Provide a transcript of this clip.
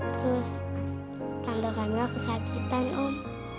terus tante camilla kesakitan om